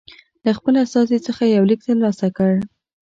له خپل استازي څخه یو لیک ترلاسه کړ.